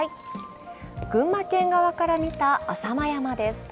群馬県側から見た浅間山です。